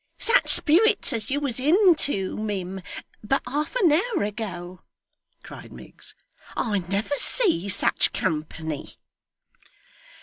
'Such spirits as you was in too, mim, but half an hour ago!' cried Miggs. 'I never see such company!